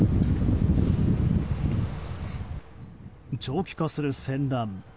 長期化する戦乱。